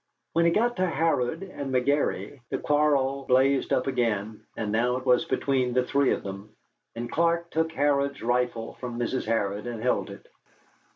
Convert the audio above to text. When he got to Harrod and McGary the quarrel blazed up again, but now it was between the three of them, and Clark took Harrod's rifle from Mrs. Harrod and held it.